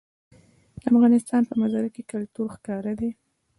د افغانستان په منظره کې کلتور ښکاره ده.